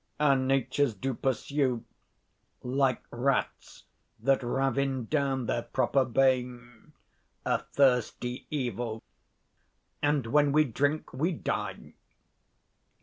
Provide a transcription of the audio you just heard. Our natures do pursue, Like rats that ravin down their proper bane, A thirsty evil; and when we drink we die.